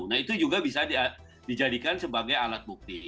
nah itu juga bisa dijadikan sebagai alat bukti